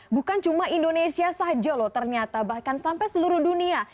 bukan cuma indonesia saja loh ternyata bahkan sampai seluruh dunia